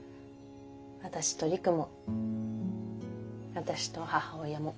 私と璃久も私と母親も。